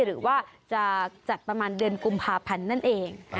หรือว่าจะจัดประมาณเดือนกุมภาพันธ์นั่นเอง